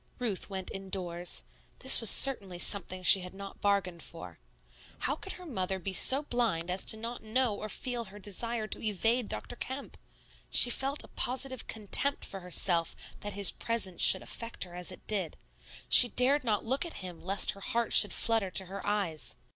Ruth went indoors. This was certainly something she had not bargained for. How could her mother be so blind as not to know or feel her desire to evade Dr. Kemp? She felt a positive contempt for herself that his presence should affect her as it did; she dared not look at him lest her heart should flutter to her eyes.